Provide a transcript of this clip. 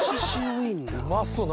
うまそう！